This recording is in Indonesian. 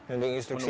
menunggu instruksi ya